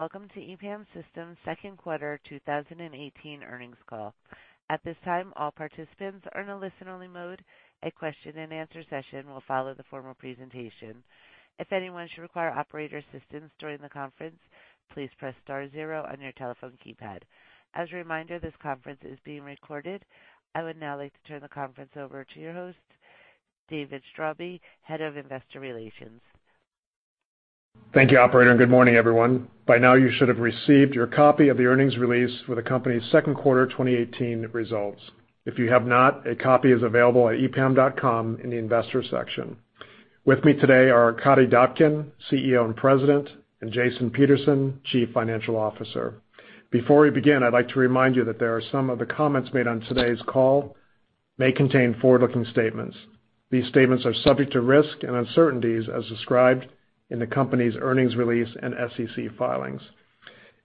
Welcome to EPAM Systems second quarter 2018 earnings call. At this time, all participants are in a listen-only mode. A question and answer session will follow the formal presentation. If anyone should require operator assistance during the conference, please press star zero on your telephone keypad. As a reminder, this conference is being recorded. I would now like to turn the conference over to your host, David Straube, Head of Investor Relations. Thank you, operator. Good morning, everyone. By now, you should have received your copy of the earnings release for the company's second quarter 2018 results. If you have not, a copy is available at epam.com in the investor section. With me today are Arkadiy Dobkin, CEO and President, and Jason Peterson, Chief Financial Officer. Before we begin, I'd like to remind you that some of the comments made on today's call may contain forward-looking statements. These statements are subject to risks and uncertainties as described in the company's earnings release and SEC filings.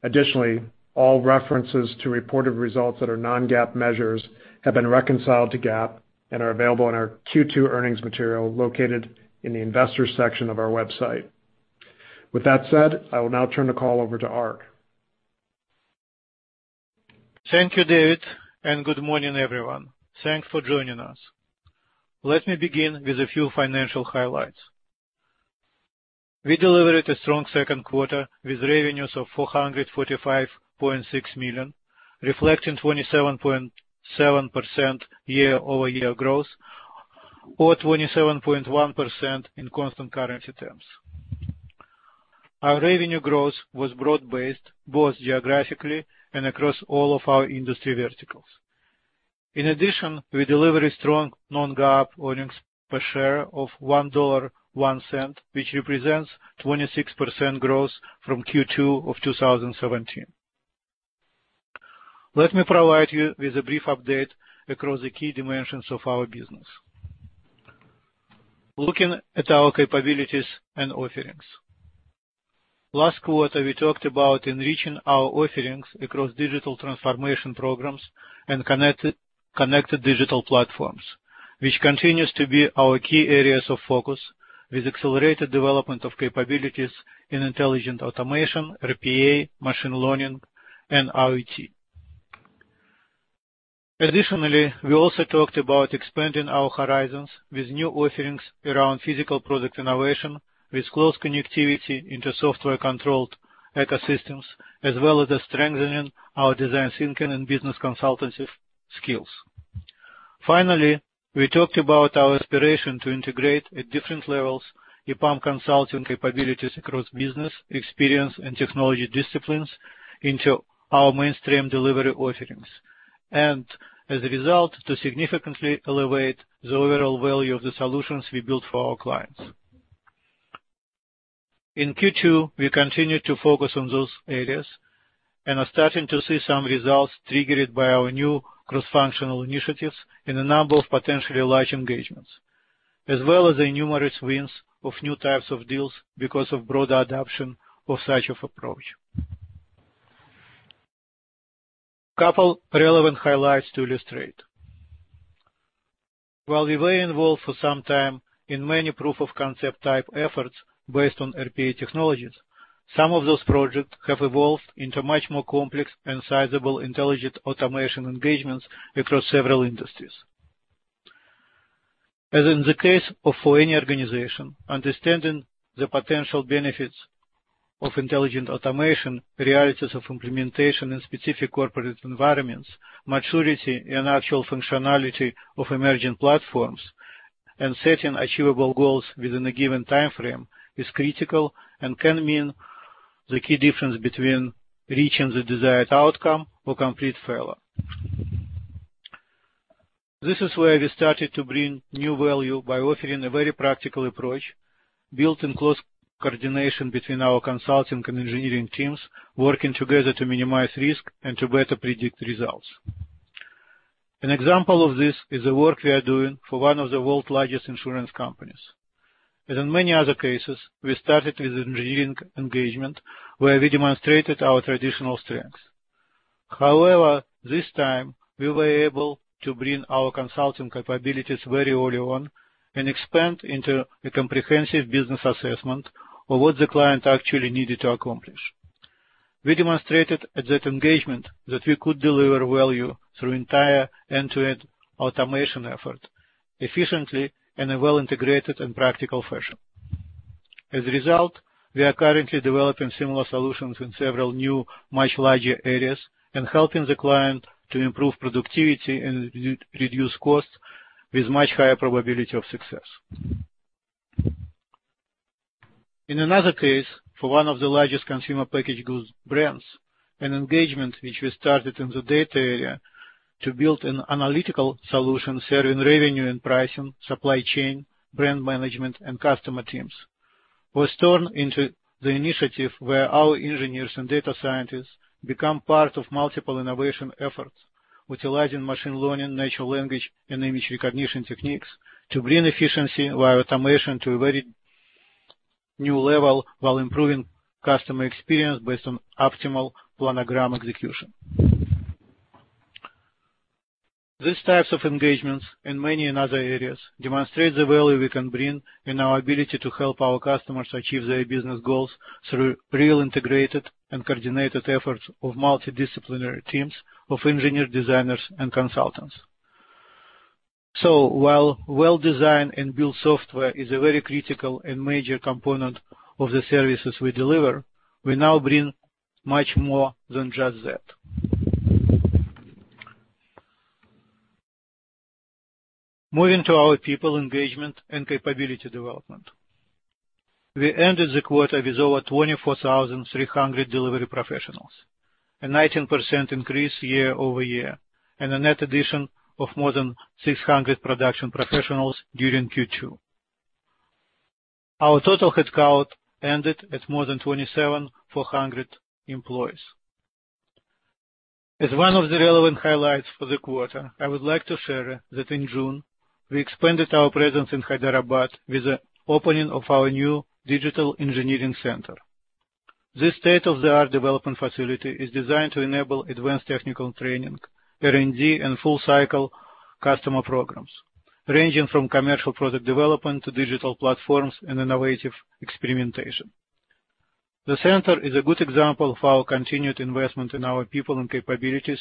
Additionally, all references to reported results that are non-GAAP measures have been reconciled to GAAP and are available in our Q2 earnings material located in the investors section of our website. With that said, I will now turn the call over to Ark. Thank you, David. Good morning, everyone. Thanks for joining us. Let me begin with a few financial highlights. We delivered a strong second quarter with revenues of $445.6 million, reflecting 27.7% year-over-year growth or 27.1% in constant currency terms. Our revenue growth was broad-based, both geographically and across all of our industry verticals. In addition, we delivered a strong non-GAAP earnings per share of $1.01, which represents 26% growth from Q2 of 2017. Let me provide you with a brief update across the key dimensions of our business. Looking at our capabilities and offerings. Last quarter, we talked about enriching our offerings across digital transformation programs and connected digital platforms, which continues to be our key areas of focus with accelerated development of capabilities in intelligent automation, RPA, machine learning, and IoT. Additionally, we also talked about expanding our horizons with new offerings around physical product innovation, with close connectivity into software-controlled ecosystems, as well as strengthening our design thinking and business consultancy skills. Finally, we talked about our aspiration to integrate at different levels EPAM consulting capabilities across business experience and technology disciplines into our mainstream delivery offerings, as a result, to significantly elevate the overall value of the solutions we build for our clients. In Q2, we continued to focus on those areas and are starting to see some results triggered by our new cross-functional initiatives in a number of potentially large engagements, as well as the numerous wins of new types of deals because of broader adoption of such approach. Couple relevant highlights to illustrate. While we were involved for some time in many proof-of-concept type efforts based on RPA technologies, some of those projects have evolved into much more complex and sizable intelligent automation engagements across several industries. As in the case of any organization, understanding the potential benefits of intelligent automation, realities of implementation in specific corporate environments, maturity, and actual functionality of emerging platforms, and setting achievable goals within a given timeframe is critical and can mean the key difference between reaching the desired outcome or complete failure. This is where we started to bring new value by offering a very practical approach built in close coordination between our consulting and engineering teams, working together to minimize risk and to better predict results. An example of this is the work we are doing for one of the world's largest insurance companies. As in many other cases, we started with an engineering engagement where we demonstrated our traditional strengths. However, this time, we were able to bring our consulting capabilities very early on and expand into a comprehensive business assessment of what the client actually needed to accomplish. We demonstrated at that engagement that we could deliver value through entire end-to-end automation effort efficiently in a well-integrated and practical fashion. As a result, we are currently developing similar solutions in several new, much larger areas and helping the client to improve productivity and reduce costs with much higher probability of success. In another case, for one of the largest consumer packaged goods brands, an engagement which we started in the data area to build an analytical solution serving revenue and pricing, supply chain, brand management, and customer teams, was turned into the initiative where our engineers and data scientists become part of multiple innovation efforts utilizing machine learning, natural language, and image recognition techniques to bring efficiency via automation to a very new level while improving customer experience based on optimal planogram execution. These types of engagements, and many in other areas, demonstrate the value we can bring in our ability to help our customers achieve their business goals through real integrated and coordinated efforts of multidisciplinary teams of engineer designers and consultants. While well-designed and built software is a very critical and major component of the services we deliver, we now bring much more than just that. Moving to our people engagement and capability development. We ended the quarter with over 24,300 delivery professionals, a 19% increase year-over-year, and a net addition of more than 600 production professionals during Q2. Our total headcount ended at more than 27,400 employees. As one of the relevant highlights for the quarter, I would like to share that in June, we expanded our presence in Hyderabad with the opening of our new digital engineering center. This state-of-the-art development facility is designed to enable advanced technical training, R&D, and full cycle customer programs, ranging from commercial product development to digital platforms and innovative experimentation. The center is a good example of our continued investment in our people and capabilities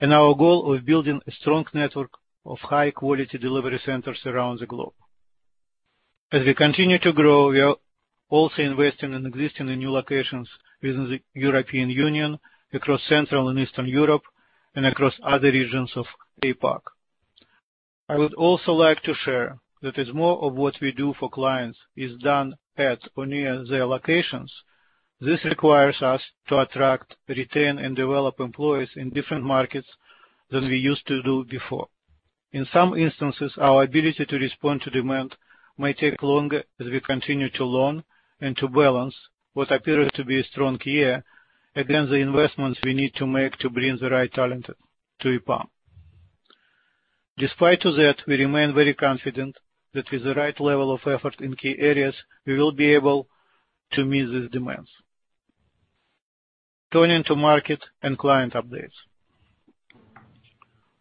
and our goal of building a strong network of high-quality delivery centers around the globe. As we continue to grow, we are also investing in existing and new locations within the European Union, across Central and Eastern Europe, and across other regions of APAC. I would also like to share that as more of what we do for clients is done at or near their locations, this requires us to attract, retain, and develop employees in different markets than we used to do before. In some instances, our ability to respond to demand may take longer as we continue to learn and to balance what appears to be a strong year against the investments we need to make to bring the right talent to EPAM. Despite that, we remain very confident that with the right level of effort in key areas, we will be able to meet these demands. Turning to market and client updates.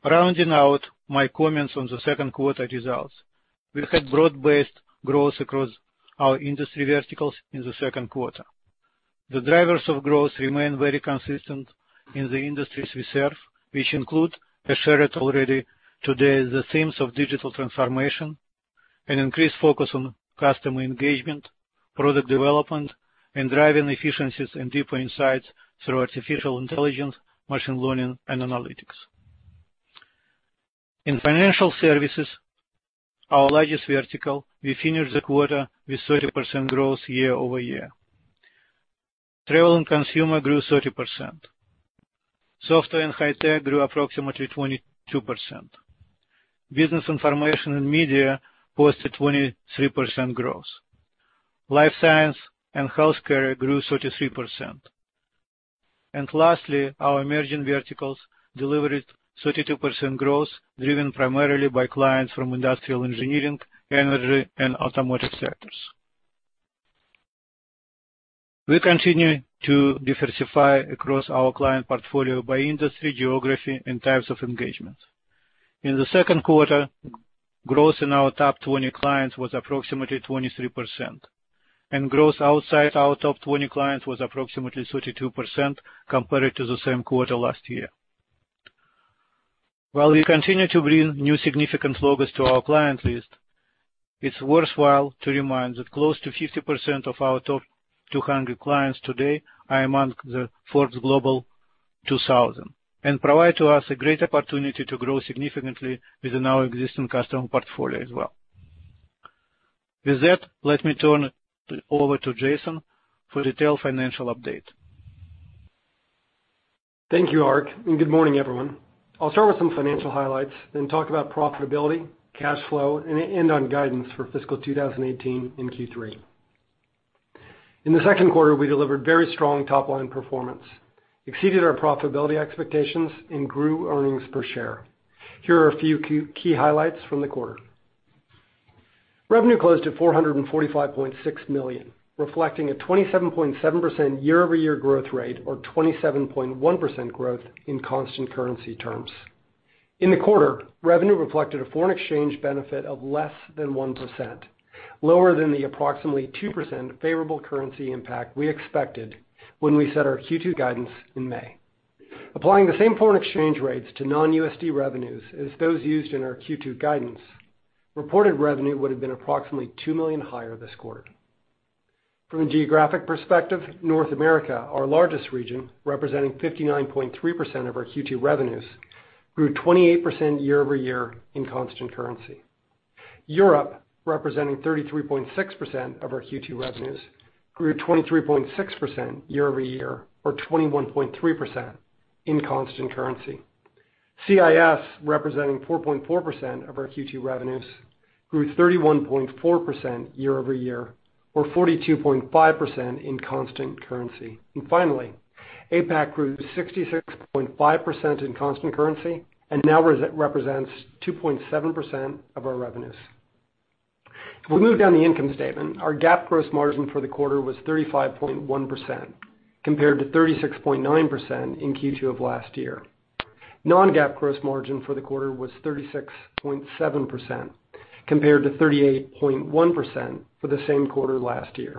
Rounding out my comments on the second quarter results, we had broad-based growth across our industry verticals in the second quarter. The drivers of growth remain very consistent in the industries we serve, which include, as shared already today, the themes of digital transformation, an increased focus on customer engagement, product development, and driving efficiencies and deeper insights through artificial intelligence, machine learning, and analytics. In financial services, our largest vertical, we finished the quarter with 30% growth year-over-year. Travel and consumer grew 30%. Software and high tech grew approximately 22%. Business information and media posted 23% growth. Life science and healthcare grew 33%. Lastly, our emerging verticals delivered 32% growth, driven primarily by clients from industrial engineering, energy, and automotive sectors. We continue to diversify across our client portfolio by industry, geography, and types of engagement. In the second quarter, growth in our top 20 clients was approximately 23%, and growth outside our top 20 clients was approximately 32% compared to the same quarter last year. While we continue to bring new significant logos to our client list, it's worthwhile to remind that close to 50% of our top 200 clients today are among the Forbes Global 2000, and provide to us a great opportunity to grow significantly within our existing customer portfolio as well. With that, let me turn it over to Jason for detailed financial update. Thank you, Ark. Good morning, everyone. I'll start with some financial highlights, then talk about profitability, cash flow, and end on guidance for fiscal 2018 in Q3. In the second quarter, we delivered very strong top-line performance, exceeded our profitability expectations, and grew earnings per share. Here are a few key highlights from the quarter. Revenue closed at $445.6 million, reflecting a 27.7% year-over-year growth rate or 27.1% growth in constant currency terms. In the quarter, revenue reflected a foreign exchange benefit of less than 1%, lower than the approximately 2% favorable currency impact we expected when we set our Q2 guidance in May. Applying the same foreign exchange rates to non-USD revenues as those used in our Q2 guidance, reported revenue would have been approximately $2 million higher this quarter. From a geographic perspective, North America, our largest region, representing 59.3% of our Q2 revenues, grew 28% year-over-year in constant currency. Europe, representing 33.6% of our Q2 revenues, grew 23.6% year-over-year or 21.3% in constant currency. CIS, representing 4.4% of our Q2 revenues, grew 31.4% year-over-year or 42.5% in constant currency. Finally, APAC grew 66.5% in constant currency and now represents 2.7% of our revenues. If we move down the income statement, our GAAP gross margin for the quarter was 35.1%, compared to 36.9% in Q2 of last year. Non-GAAP gross margin for the quarter was 36.7%, compared to 38.1% for the same quarter last year.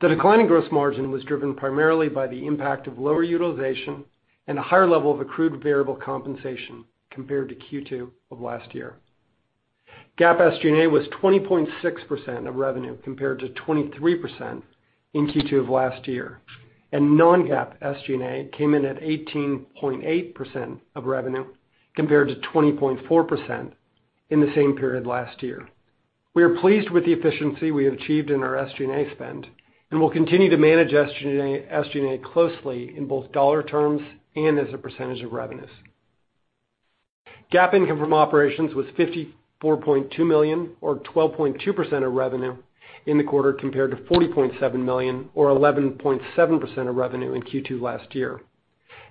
The decline in gross margin was driven primarily by the impact of lower utilization and a higher level of accrued variable compensation compared to Q2 of last year. GAAP SG&A was 20.6% of revenue, compared to 23% in Q2 of last year. Non-GAAP SG&A came in at 18.8% of revenue, compared to 20.4% in the same period last year. We are pleased with the efficiency we have achieved in our SG&A spend and will continue to manage SG&A closely in both dollar terms and as a percentage of revenues. GAAP income from operations was $54.2 million, or 12.2% of revenue in the quarter, compared to $40.7 million, or 11.7% of revenue in Q2 last year.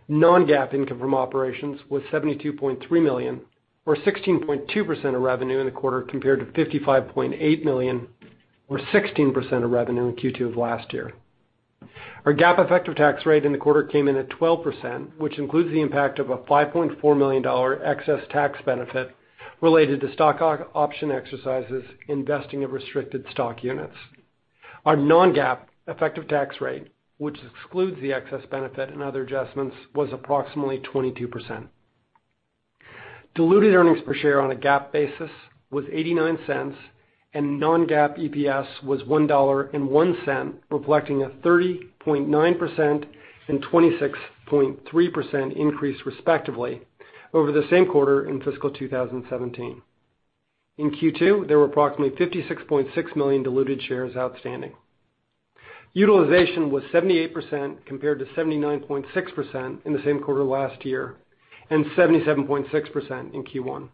Non-GAAP income from operations was $72.3 million, or 16.2% of revenue in the quarter, compared to $55.8 million, or 16% of revenue in Q2 of last year. Our GAAP effective tax rate in the quarter came in at 12%, which includes the impact of a $5.4 million excess tax benefit related to stock option exercises and vesting of restricted stock units. Our non-GAAP effective tax rate, which excludes the excess benefit and other adjustments, was approximately 22%. Diluted earnings per share on a GAAP basis was $0.89, and non-GAAP EPS was $1.01, reflecting a 30.9% and 26.3% increase, respectively, over the same quarter in fiscal 2017. In Q2, there were approximately 56.6 million diluted shares outstanding. Utilization was 78%, compared to 79.6% in the same quarter last year and 77.6% in Q1.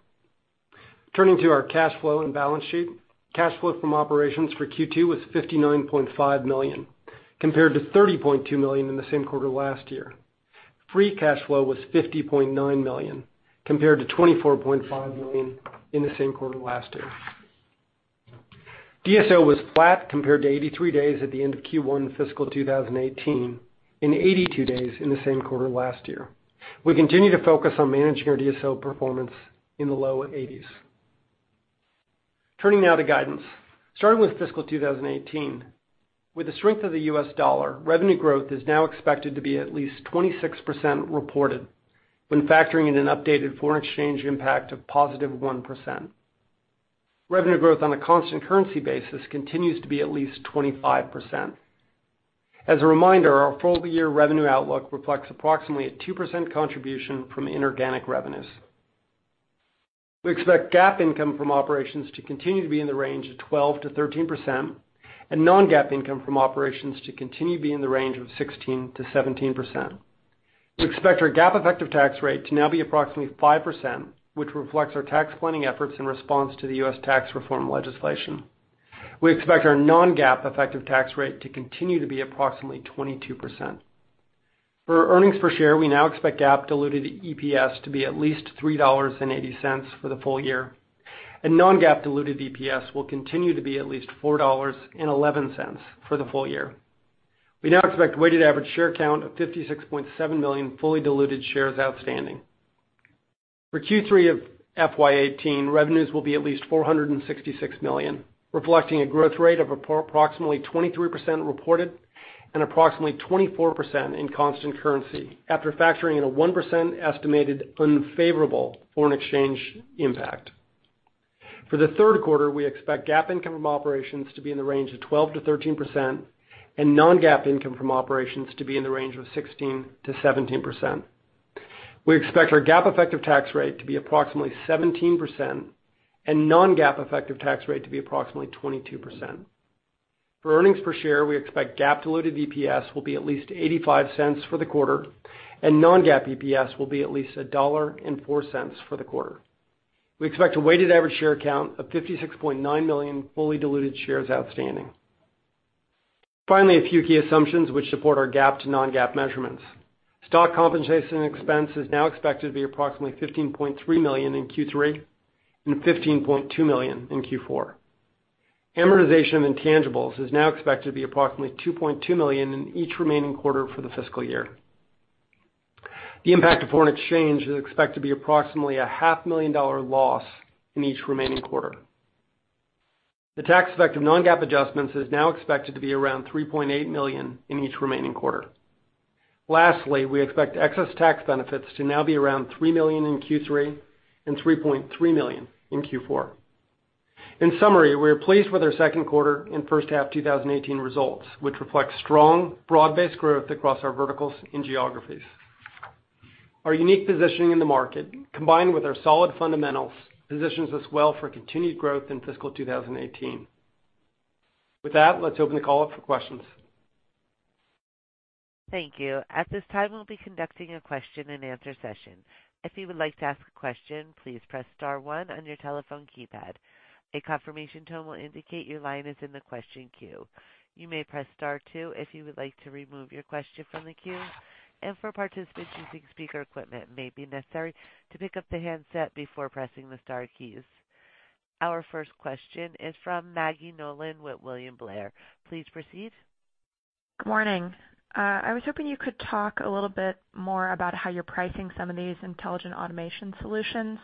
Turning to our cash flow and balance sheet. Cash flow from operations for Q2 was $59.5 million, compared to $30.2 million in the same quarter last year. Free cash flow was $50.9 million, compared to $24.5 million in the same quarter last year. DSO was flat compared to 83 days at the end of Q1 fiscal 2018 and 82 days in the same quarter last year. We continue to focus on managing our DSO performance in the low 80s. Turning now to guidance. Starting with fiscal 2018, with the strength of the U.S. dollar, revenue growth is now expected to be at least 26% reported when factoring in an updated foreign exchange impact of positive 1%. Revenue growth on a constant currency basis continues to be at least 25%. As a reminder, our full-year revenue outlook reflects approximately a 2% contribution from inorganic revenues. We expect GAAP income from operations to continue to be in the range of 12%-13% and non-GAAP income from operations to continue to be in the range of 16%-17%. We expect our GAAP effective tax rate to now be approximately 5%, which reflects our tax planning efforts in response to the U.S. tax reform legislation. We expect our non-GAAP effective tax rate to continue to be approximately 22%. For earnings per share, we now expect GAAP diluted EPS to be at least $3.80 for the full year, and non-GAAP diluted EPS will continue to be at least $4.11 for the full year. We now expect weighted average share count of 56.7 million fully diluted shares outstanding. For Q3 of FY 2018, revenues will be at least $466 million, reflecting a growth rate of approximately 23% reported and approximately 24% in constant currency after factoring in a 1% estimated unfavorable foreign exchange impact. For the third quarter, we expect GAAP income from operations to be in the range of 12%-13% and non-GAAP income from operations to be in the range of 16%-17%. We expect our GAAP effective tax rate to be approximately 17% and non-GAAP effective tax rate to be approximately 22%. For earnings per share, we expect GAAP diluted EPS will be at least $0.85 for the quarter, and non-GAAP EPS will be at least $1.04 for the quarter. We expect a weighted average share count of 56.9 million fully diluted shares outstanding. Finally, a few key assumptions which support our GAAP to non-GAAP measurements. Stock compensation expense is now expected to be approximately $15.3 million in Q3 and $15.2 million in Q4. Amortization intangibles is now expected to be approximately $2.2 million in each remaining quarter for the fiscal year. The impact of foreign exchange is expected to be approximately a half million dollar loss in each remaining quarter. The tax effect of non-GAAP adjustments is now expected to be around $3.8 million in each remaining quarter. Lastly, we expect excess tax benefits to now be around $3 million in Q3 and $3.3 million in Q4. In summary, we are pleased with our second quarter and first half 2018 results, which reflect strong, broad-based growth across our verticals and geographies. Our unique positioning in the market, combined with our solid fundamentals, positions us well for continued growth in fiscal 2018. With that, let's open the call up for questions. Thank you. At this time, we'll be conducting a question and answer session. If you would like to ask a question, please press star one on your telephone keypad. A confirmation tone will indicate your line is in the question queue. You may press star two if you would like to remove your question from the queue. For participants using speaker equipment, it may be necessary to pick up the handset before pressing the star keys. Our first question is from Maggie Nolan with William Blair. Please proceed. Good morning. I was hoping you could talk a little bit more about how you're pricing some of these intelligent automation solutions,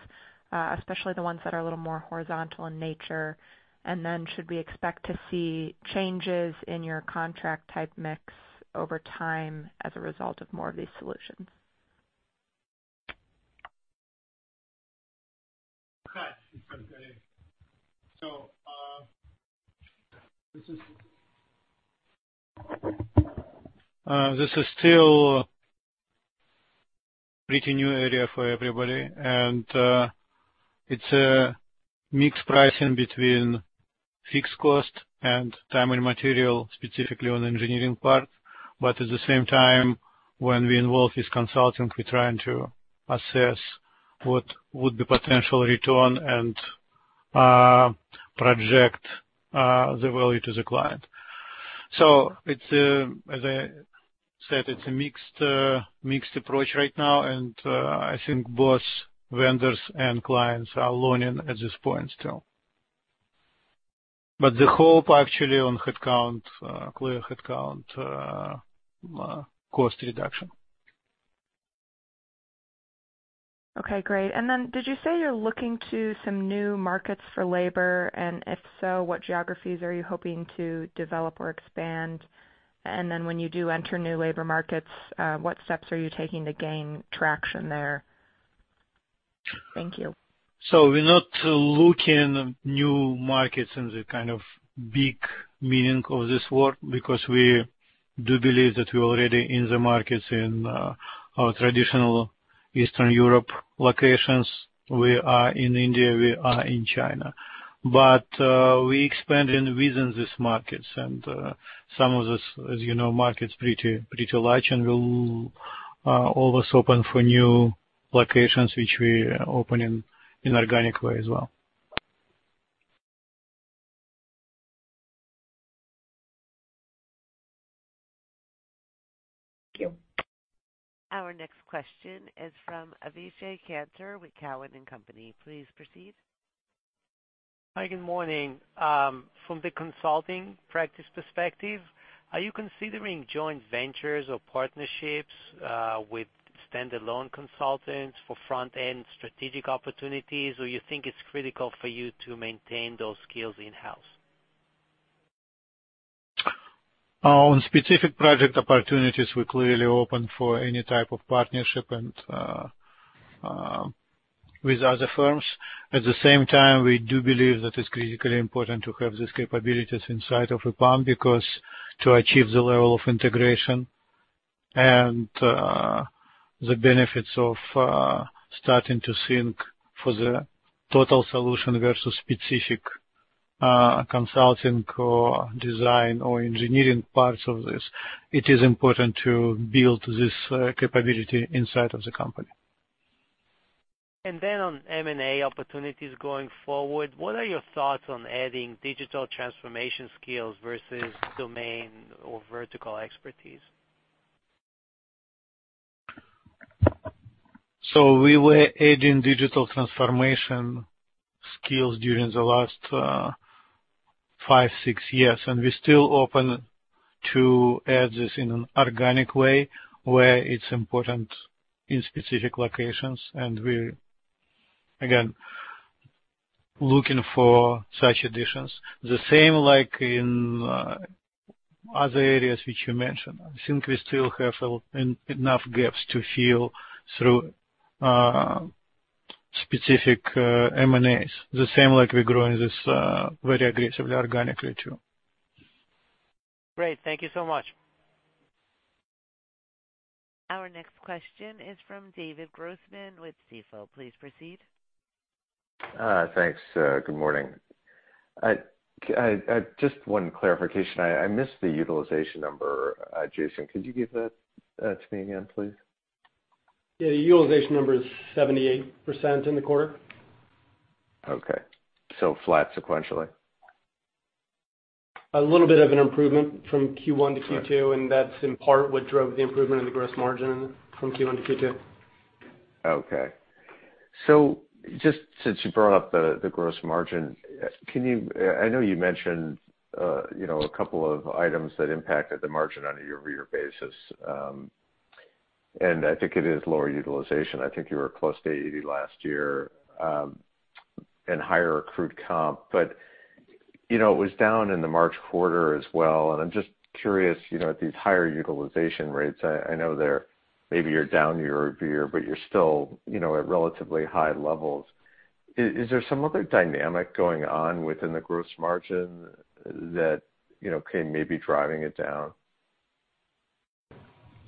especially the ones that are a little more horizontal in nature. Should we expect to see changes in your contract type mix over time as a result of more of these solutions? Okay. This is still a pretty new area for everybody, and it's a mixed pricing between fixed cost and time and material, specifically on the engineering part. At the same time, when we involve this consultant, we're trying to assess what would be potential return and project the value to the client. As I said, it's a mixed approach right now, and I think both vendors and clients are learning at this point still. The hope actually on headcount, clear headcount, cost reduction. Okay, great. Did you say you're looking to some new markets for labor, and if so, what geographies are you hoping to develop or expand? When you do enter new labor markets, what steps are you taking to gain traction there? Thank you. We're not looking at new markets in the big meaning of this word because we do believe that we're already in the markets in our traditional Eastern Europe locations. We are in India, we are in China. We expand within these markets, and some of those, as you know, market's pretty large, and we're always open for new locations, which we open in organic way as well. Thank you. Our next question is from Avishai Kantor with Cowen and Company. Please proceed. Hi, good morning. From the consulting practice perspective, are you considering joint ventures or partnerships with standalone consultants for front-end strategic opportunities, or you think it's critical for you to maintain those skills in-house? On specific project opportunities, we're clearly open for any type of partnership with other firms. At the same time, we do believe that it's critically important to have these capabilities inside of EPAM because to achieve the level of integration and the benefits of starting to sync for the total solution versus specific consulting or design or engineering parts of this, it is important to build this capability inside of the company. On M&A opportunities going forward, what are your thoughts on adding digital transformation skills versus domain or vertical expertise? We were adding digital transformation skills during the last five, six years, and we're still open to add this in an organic way, where it's important in specific locations. We're, again, looking for such additions. The same like in other areas which you mentioned. I think we still have enough gaps to fill through specific M&As. The same like we're growing this very aggressively organically too. Great. Thank you so much. Our next question is from David Grossman with Stifel. Please proceed. Thanks. Good morning. Just one clarification. I missed the utilization number. Jason, could you give that to me again, please? Yeah. The utilization number is 78% in the quarter. Okay. Flat sequentially. A little bit of an improvement from Q1 to Q2, that's in part what drove the improvement in the gross margin from Q1 to Q2. Okay. Just since you brought up the gross margin, I know you mentioned a couple of items that impacted the margin on a year-over-year basis. I think it is lower utilization. I think you were close to 80 last year, and higher accrued comp. It was down in the March quarter as well, and I'm just curious, at these higher utilization rates, I know they're maybe you're down year-over-year, but you're still at relatively high levels. Is there some other dynamic going on within the gross margin that can maybe driving it down?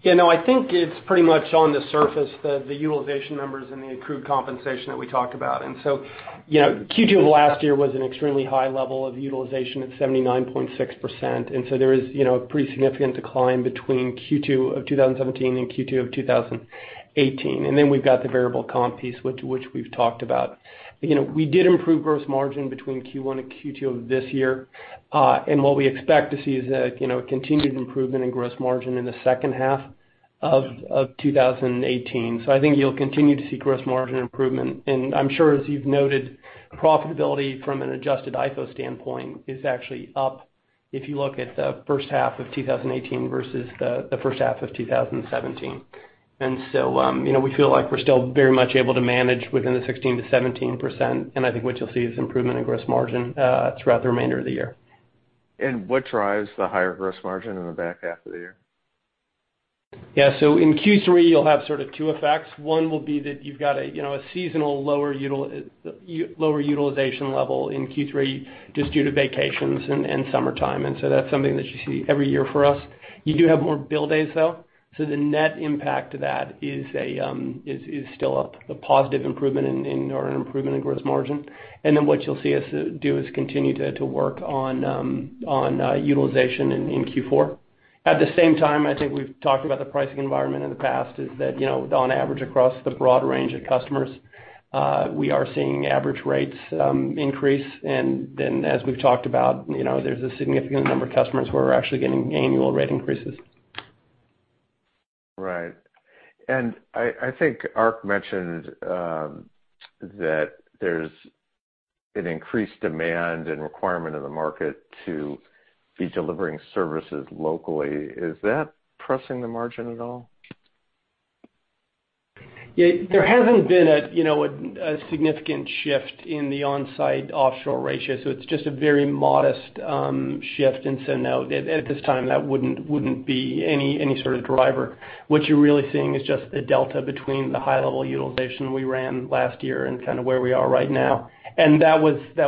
Yeah, no. I think it's pretty much on the surface, the utilization numbers and the accrued compensation that we talked about. Q2 of last year was an extremely high level of utilization at 79.6%, there is a pretty significant decline between Q2 of 2017 and Q2 of 2018. Then we've got the variable comp piece, which we've talked about. We did improve gross margin between Q1 and Q2 of this year. What we expect to see is a continued improvement in gross margin in the second half of 2018. I think you'll continue to see gross margin improvement. I'm sure, as you've noted, profitability from an adjusted IPO standpoint is actually up if you look at the first half of 2018 versus the first half of 2017. We feel like we're still very much able to manage within the 16%-17%, I think what you'll see is improvement in gross margin throughout the remainder of the year. What drives the higher gross margin in the back half of the year? Yeah. In Q3, you'll have sort of two effects. One will be that you've got a seasonal lower utilization level in Q3, just due to vacations and summertime. That's something that you see every year for us. You do have more bill days, though, so the net impact of that is still a positive improvement in our improvement in gross margin. What you'll see us do is continue to work on utilization in Q4. At the same time, I think we've talked about the pricing environment in the past, is that, on average, across the broad range of customers, we are seeing average rates increase. As we've talked about, there's a significant number of customers who are actually getting annual rate increases. Right. I think Ark mentioned that there's an increased demand and requirement in the market to be delivering services locally. Is that pressing the margin at all? Yeah. There hasn't been a significant shift in the onsite-offshore ratio, so it's just a very modest shift. No, at this time, that wouldn't be any sort of driver. What you're really seeing is just the delta between the high level utilization we ran last year and kind of where we are right now. That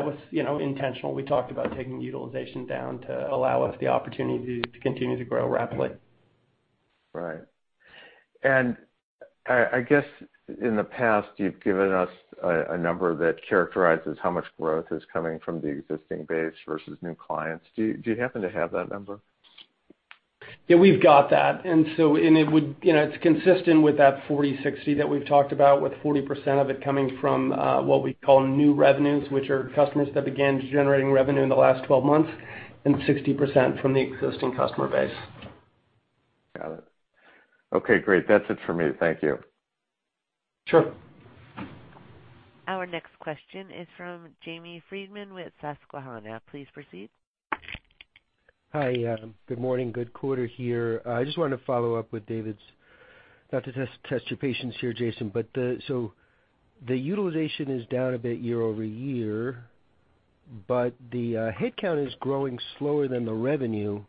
was intentional. We talked about taking utilization down to allow us the opportunity to continue to grow rapidly. Right. I guess in the past, you've given us a number that characterizes how much growth is coming from the existing base versus new clients. Do you happen to have that number? Yeah, we've got that. It's consistent with that 40/60 that we've talked about, with 40% of it coming from what we call new revenues, which are customers that began generating revenue in the last 12 months, and 60% from the existing customer base. Got it. Okay, great. That's it for me. Thank you. Sure. Our next question is from Jamie Friedman with Susquehanna. Please proceed. Hi. Good morning. Good quarter here. I just wanted to follow up with David's. Not to test your patience here, Jason. The utilization is down a bit year-over-year. The headcount is growing slower than the revenue.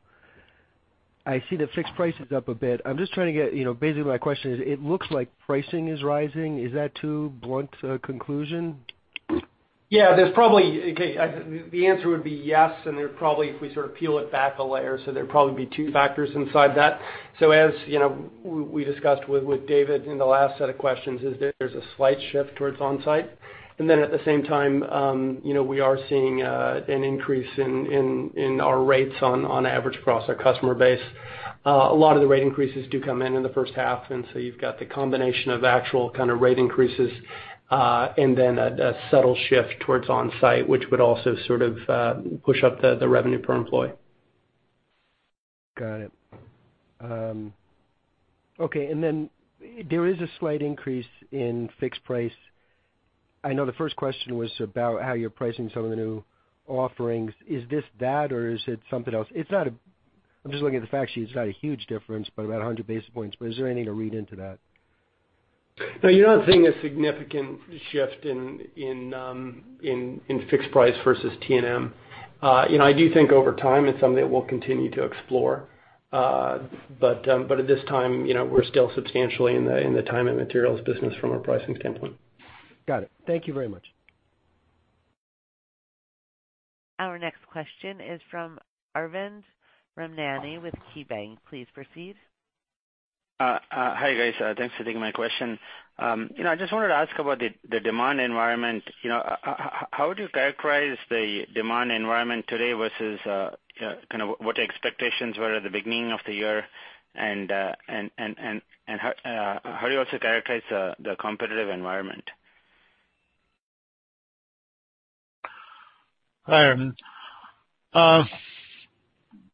I see the fixed price is up a bit. Basically my question is, it looks like pricing is rising. Is that too blunt a conclusion? Okay, the answer would be yes. There'd probably, if we sort of peel it back a layer, there'd probably be two factors inside that. As we discussed with David in the last set of questions, there's a slight shift towards onsite. At the same time, we are seeing an increase in our rates on average across our customer base. A lot of the rate increases do come in in the first half. You've got the combination of actual rate increases, and then a subtle shift towards onsite, which would also sort of push up the revenue per employee. Got it. Okay, there is a slight increase in fixed price. I know the first question was about how you're pricing some of the new offerings. Is this that, or is it something else? I'm just looking at the fact sheet. It's not a huge difference, but about 100 basis points. Is there anything to read into that? No, you're not seeing a significant shift in fixed price versus T&M. I do think over time it's something that we'll continue to explore. At this time we're still substantially in the time and materials business from a pricing standpoint. Got it. Thank you very much. Our next question is from Arvind Ramnani with KeyBanc. Please proceed. Hi, guys. Thanks for taking my question. I just wanted to ask about the demand environment. How would you characterize the demand environment today versus what your expectations were at the beginning of the year? How do you also characterize the competitive environment? Hi, Arvind.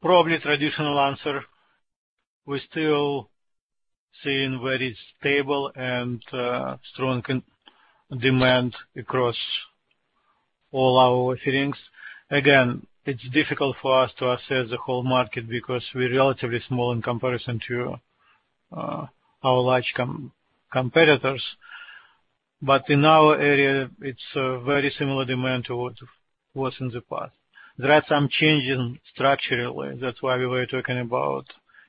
Probably traditional answer. We're still seeing very stable and strong demand across all our offerings. Again, it's difficult for us to assess the whole market because we're relatively small in comparison to our large competitors. In our area, it's a very similar demand to what's in the past. There are some changes structurally. That's why we were talking about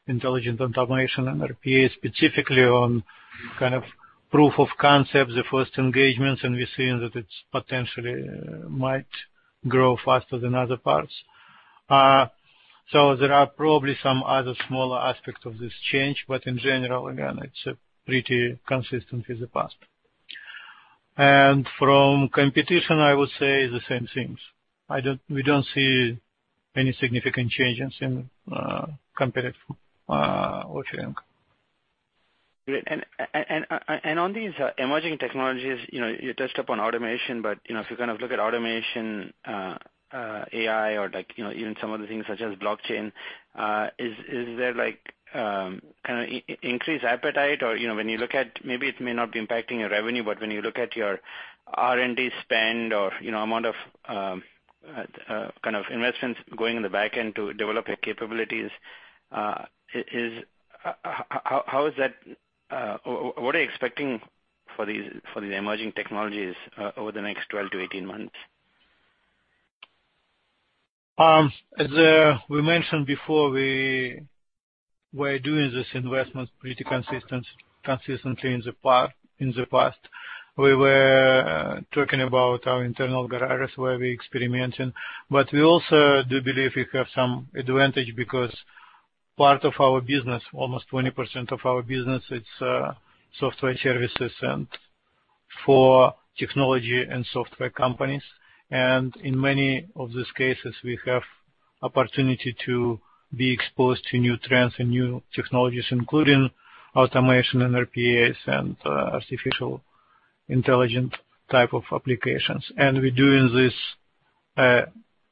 intelligent automation and RPA, specifically on proof of concept, the first engagements, and we're seeing that it potentially might grow faster than other parts. There are probably some other smaller aspects of this change. In general, again, it's pretty consistent with the past. From competition, I would say the same things. We don't see any significant changes in competitive offering. Great. On these emerging technologies, you touched upon automation, but if you look at automation, AI, or even some other things such as blockchain, is there increased appetite? When you look at, maybe it may not be impacting your revenue, but when you look at your R&D spend or amount of investments going in the back end to develop your capabilities, what are you expecting for these emerging technologies over the next 12 to 18 months? We mentioned before, we were doing this investment pretty consistently in the past. We were talking about our internal garages where we experiment, but we also do believe we have some advantage because part of our business, almost 20% of our business, it's software and services for technology and software companies. In many of these cases, we have opportunity to be exposed to new trends and new technologies, including automation and RPAs and artificial intelligent type of applications. We're doing this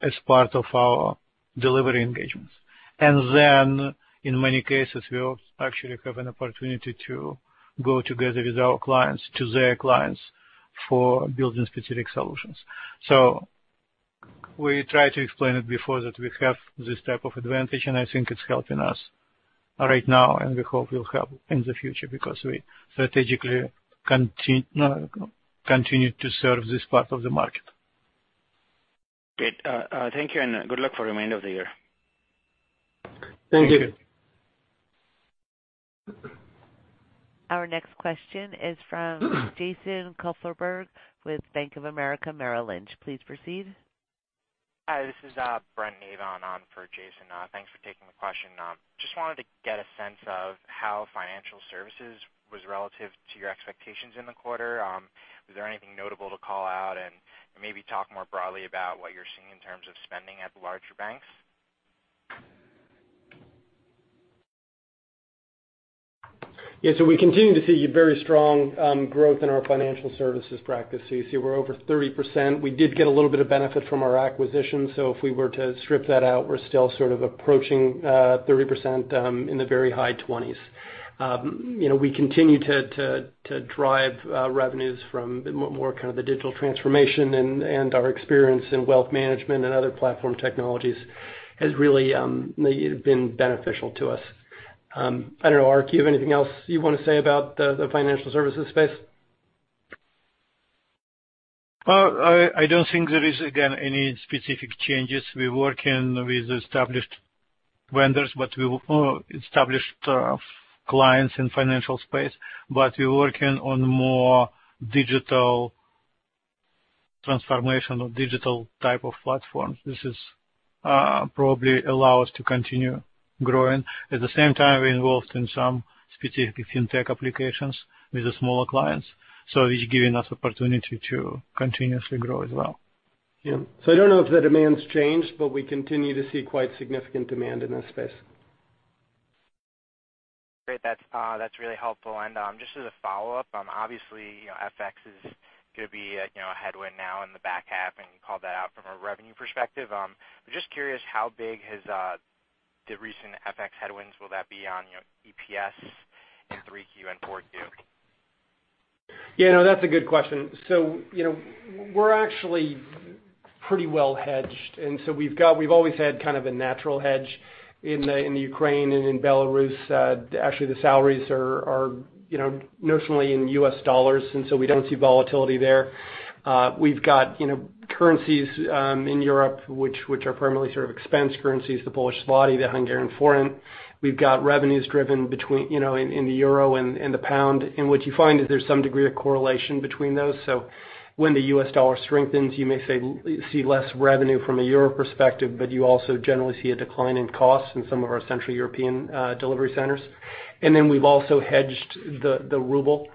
as part of our delivery engagements. Then, in many cases, we actually have an opportunity to go together with our clients, to their clients, for building specific solutions. We tried to explain it before that we have this type of advantage, and I think it's helping us right now, and we hope will help in the future because we strategically continue to serve this part of the market. Great. Thank you, and good luck for the remainder of the year. Thank you. Our next question is from Jason Kupferberg with Bank of America Merrill Lynch. Please proceed. Hi, this is Brent Navon on for Jason. Thanks for taking the question. Just wanted to get a sense of how financial services was relative to your expectations in the quarter. Is there anything notable to call out? Maybe talk more broadly about what you're seeing in terms of spending at the larger banks. We continue to see very strong growth in our financial services practice. You see we're over 30%. We did get a little bit of benefit from our acquisition. If we were to strip that out, we're still sort of approaching 30%, in the very high 20s. We continue to drive revenues from more the digital transformation, our experience in wealth management and other platform technologies has really been beneficial to us. I don't know, Arkadiy, you have anything else you want to say about the financial services space? I don't think there is, again, any specific changes. We're working with established vendors, established clients in financial space, we're working on more digital transformation or digital type of platforms. This probably allow us to continue growing. At the same time, we're involved in some specific fintech applications with the smaller clients, it's giving us opportunity to continuously grow as well. Yeah. I don't know if the demand's changed, but we continue to see quite significant demand in that space. Great. That's really helpful. Just as a follow-up, obviously, FX is going to be a headwind now in the back half, and you called that out from a revenue perspective. I'm just curious how big has the recent FX headwinds will that be on EPS in 3Q and 4Q? Yeah, no, that's a good question. We're actually pretty well hedged, and so we've always had kind of a natural hedge in the Ukraine and in Belarus. Actually, the salaries are notionally in US dollars, and so we don't see volatility there. We've got currencies in Europe which are primarily expense currencies, the Polish zloty, the Hungarian forint. We've got revenues driven in the euro and the pound, in which you find that there's some degree of correlation between those. When the US dollar strengthens, you may see less revenue from a euro perspective, but you also generally see a decline in costs in some of our central European delivery centers. Then we've also hedged the ruble.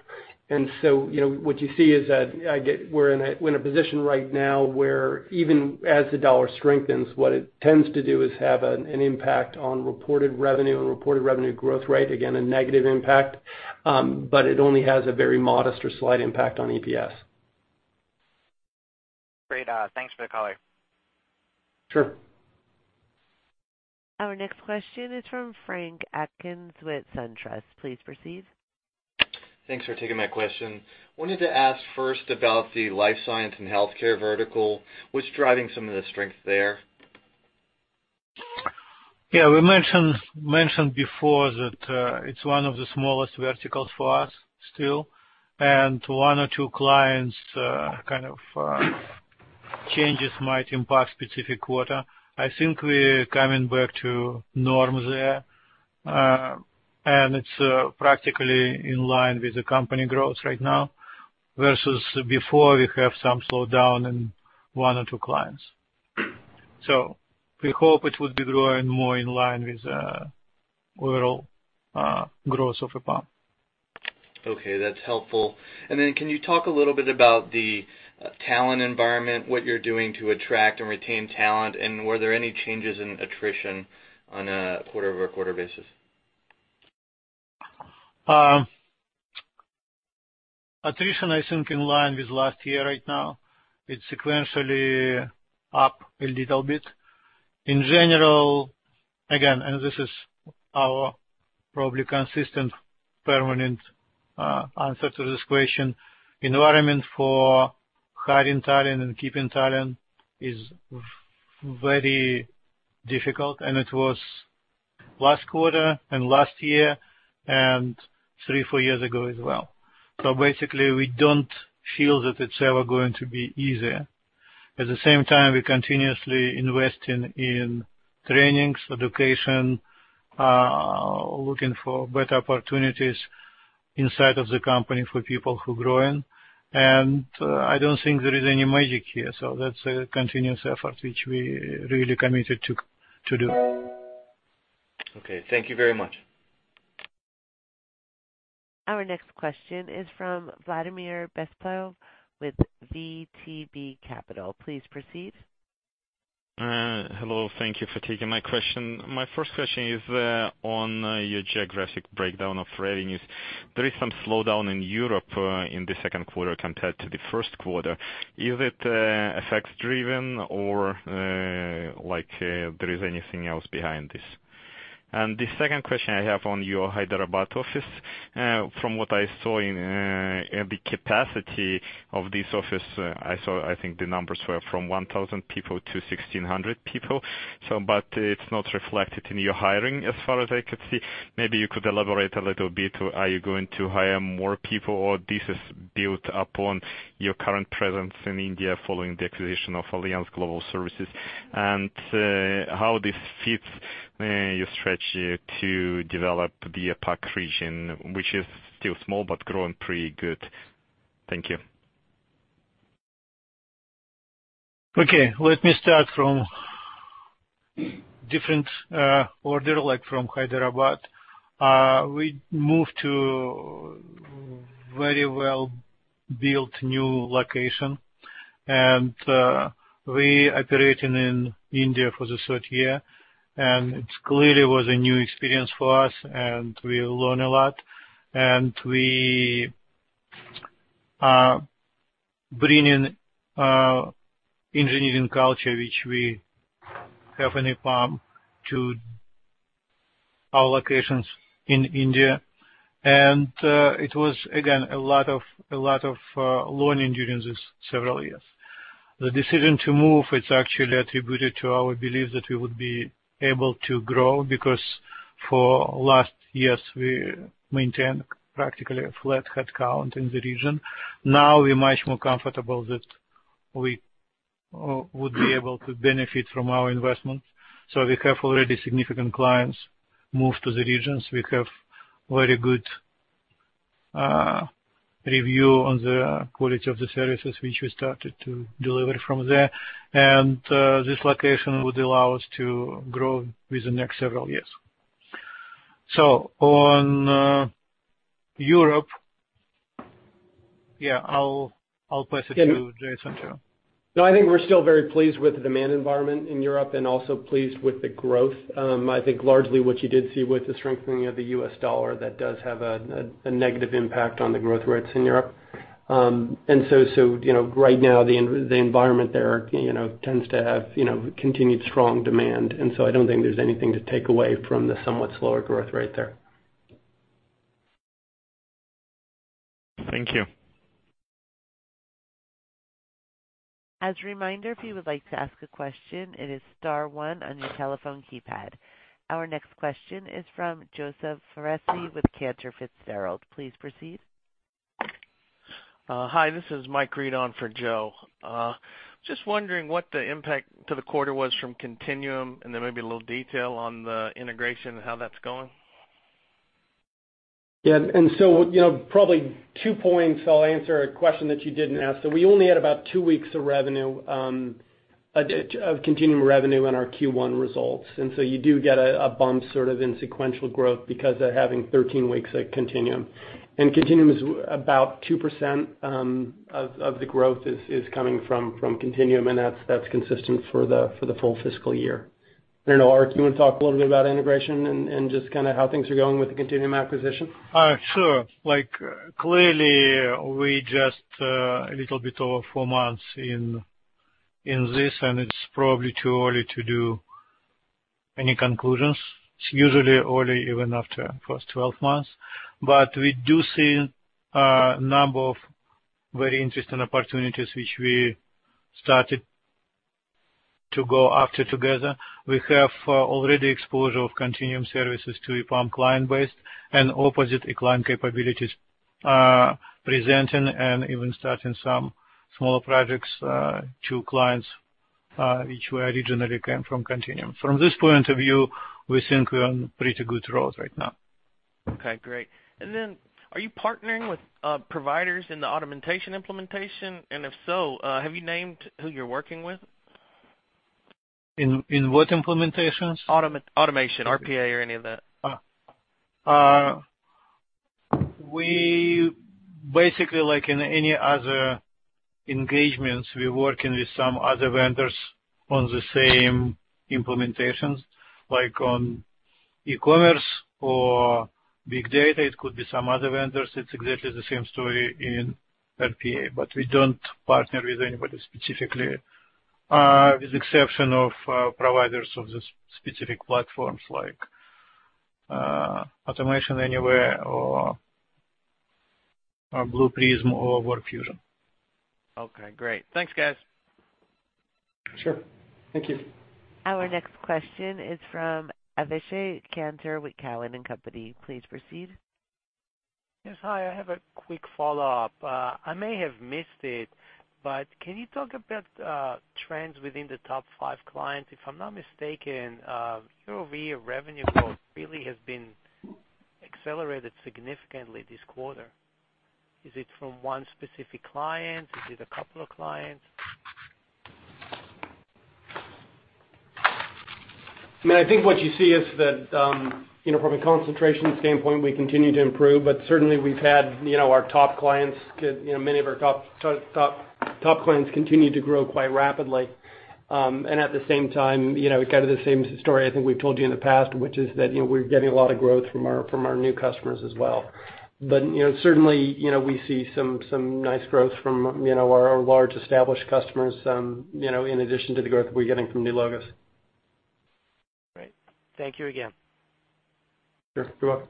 What you see is that we're in a position right now where even as the dollar strengthens, what it tends to do is have an impact on reported revenue and reported revenue growth rate, again, a negative impact. It only has a very modest or slight impact on EPS. Great. Thanks for the color. Sure. Our next question is from Frank Atkins with SunTrust. Please proceed. Thanks for taking my question. Wanted to ask first about the life science and healthcare vertical. What's driving some of the strength there? Yeah. We mentioned before that it's one of the smallest verticals for us still, and one or two clients changes might impact specific quarter. I think we're coming back to norm there, and it's practically in line with the company growth right now versus before we have some slowdown in one or two clients. We hope it will be growing more in line with overall growth of EPAM. Okay, that's helpful. Can you talk a little bit about the talent environment, what you're doing to attract and retain talent, and were there any changes in attrition on a quarter-over-quarter basis? Attrition, I think, in line with last year right now. It's sequentially up a little bit. In general, again, this is our probably consistent permanent answer to this question, environment for hiring talent and keeping talent is very difficult, and it was last quarter and last year and three, four years ago as well. Basically, we don't feel that it's ever going to be easier. At the same time, we continuously investing in trainings, education, looking for better opportunities inside of the company for people who grow in. I don't think there is any magic here. That's a continuous effort, which we really committed to do. Okay. Thank you very much. Our next question is from Vladimir Bespalov with VTB Capital. Please proceed. Hello. Thank you for taking my question. My first question is on your geographic breakdown of revenues. There is some slowdown in Europe in the second quarter compared to the first quarter. Is it effects driven or there is anything else behind this? The second question I have on your Hyderabad office. From what I saw in the capacity of this office, I think the numbers were from 1,000 people to 1,600 people, but it's not reflected in your hiring as far as I could see. Maybe you could elaborate a little bit. Are you going to hire more people, or this is built upon your current presence in India following the acquisition of Alliance Global Services? How this fits your strategy to develop the APAC region, which is still small but growing pretty good. Thank you. Okay, let me start from different order, like from Hyderabad. We moved to very well-built new location. We operating in India for the third year, and it clearly was a new experience for us, and we learn a lot. We are bringing engineering culture, which we have in EPAM to our locations in India. It was, again, a lot of learning during these several years. The decision to move, it's actually attributed to our belief that we would be able to grow because for last years, we maintain practically a flat headcount in the region. Now we're much more comfortable that we would be able to benefit from our investments. We have already significant clients move to the regions. We have very good review on the quality of the services which we started to deliver from there. This location would allow us to grow with the next several years. On Europe, yeah, I'll pass it to Jason too. No, I think we're still very pleased with the demand environment in Europe and also pleased with the growth. I think largely what you did see with the strengthening of the U.S. dollar, that does have a negative impact on the growth rates in Europe. Right now the environment there tends to have continued strong demand, and so I don't think there's anything to take away from the somewhat slower growth rate there. Thank you. As a reminder, if you would like to ask a question, it is star one on your telephone keypad. Our next question is from Joseph Foresi with Cantor Fitzgerald. Please proceed. Hi, this is Mike Reid on for Joe. Maybe a little detail on the integration and how that's going. Yeah. Probably two points. I'll answer a question that you didn't ask. We only had about two weeks of Continuum revenue in our Q1 results. You do get a bump in sequential growth because of having 13 weeks at Continuum. Continuum is about 2% of the growth is coming from Continuum, and that's consistent for the full fiscal year. I don't know, Arkadiy, you want to talk a little bit about integration and just how things are going with the Continuum acquisition? Sure. Clearly, we just a little bit over four months in this, and it's probably too early to do any conclusions. It's usually early even after first 12 months. We do see a number of very interesting opportunities which we started to go after together. We have already exposure of Continuum services to EPAM client base and opposite client capabilities presenting and even starting some small projects to clients which originally came from Continuum. From this point of view, we think we're on pretty good road right now. Okay, great. Are you partnering with providers in the automation implementation? If so, have you named who you're working with? In what implementations? Automation, RPA or any of that. We basically, like in any other engagements, we're working with some other vendors on the same implementations, like on e-commerce or big data. It could be some other vendors. It's exactly the same story in RPA. We don't partner with anybody specifically, with exception of providers of the specific platforms like Automation Anywhere or Blue Prism or WorkFusion. Okay, great. Thanks, guys. Sure. Thank you. Our next question is from Avishai Kantor with Cowen and Company. Please proceed. Yes. Hi, I have a quick follow-up. I may have missed it, but can you talk about trends within the top five clients? If I'm not mistaken, your year-over-year revenue growth really has been accelerated significantly this quarter. Is it from one specific client? Is it a couple of clients? I think what you see is that, from a concentration standpoint, we continue to improve, but certainly we've had many of our top clients continue to grow quite rapidly. At the same time, kind of the same story I think we've told you in the past, which is that we're getting a lot of growth from our new customers as well. Certainly, we see some nice growth from our large established customers, in addition to the growth that we're getting from new logos. Great. Thank you again. Sure. You're welcome.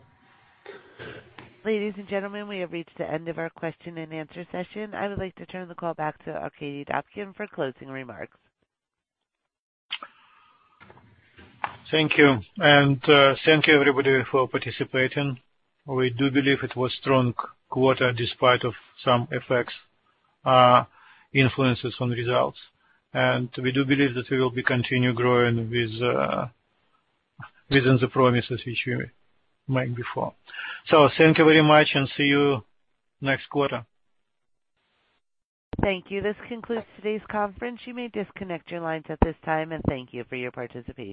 Ladies and gentlemen, we have reached the end of our question and answer session. I would like to turn the call back to Arkadiy Dobkin for closing remarks. Thank you. Thank you everybody for participating. We do believe it was strong quarter despite of some effects, influences on the results. We do believe that we will be continue growing within the promises which we made before. Thank you very much and see you next quarter. Thank you. This concludes today's conference. You may disconnect your lines at this time, and thank you for your participation.